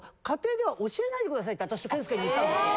って私と健介に言ったんですよ。